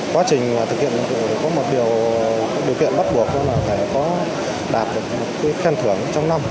quá trình thực hiện nhiệm vụ thì có một điều kiện bắt buộc là phải có đạt được một cái khen thưởng trong năm